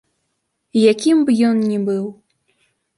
Якім б ён не быў.